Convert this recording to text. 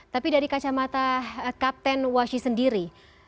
tapi dari kacamata kapten washi sendiri